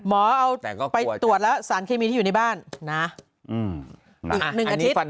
หมอเอาไปตรวจแล้วสารเคมีที่อยู่ในบ้านนะอืมอันนี้ฟัน